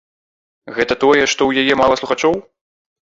Гэта тое, што ў яе мала слухачоў?